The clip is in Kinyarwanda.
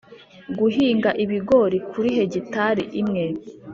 guhinga ibigori kuri hegitari imwe